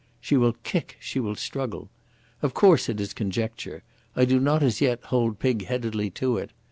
She will kick, she will struggle. Of course it is conjecture. I do not as yet hold pigheadedly to it.